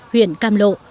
huyện cam lộ